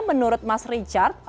menurut mas richard